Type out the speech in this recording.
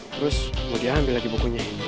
terus mau diambil lagi bukunya